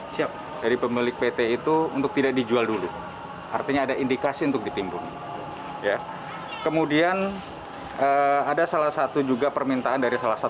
jadi obatnya seperti ini